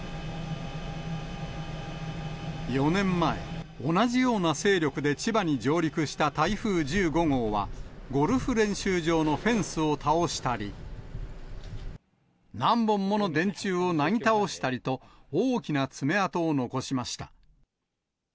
４年前、同じような勢力で千葉に上陸した台風１５号は、ゴルフ練習場のフェンスを倒したり、何本もの電柱をなぎ倒したりと、大きな爪痕を残しました。